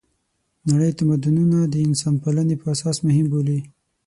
نړۍ تمدونونه د انسانپالنې په اساس مهم بولي.